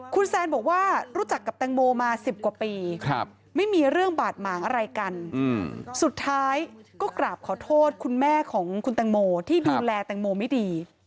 คุณแซนบอกว่ารู้จักกับแตงโมมา๑๐กว่าปีไม่มีเรื่องบาดหมางอะไรกันสุดท้ายก็กราบขอโทษคุณแม่ของคุณแตงโมที่ดูแลแตงโมไม่ดี